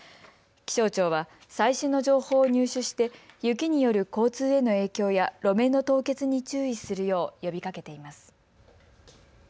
気象庁は最新の情報を入手して雪による交通への影響や路面の凍結に注意するよう呼びかけています。